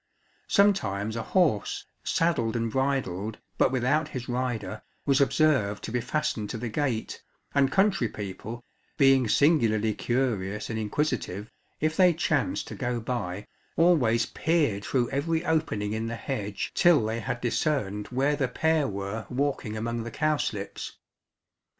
Sometimes a horse, saddled and bridled, but without his rider, was observed to be fastened to the gate, and country people, being singularly curious and inquisitive, if they chanced to go by always peered through every opening in the hedge till they had discerned where the pair were walking among the cowslips.